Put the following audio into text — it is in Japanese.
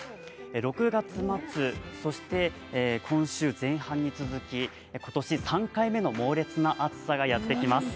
６月末、そして今週前半に続き今年３回目の猛烈な暑さがやってきます。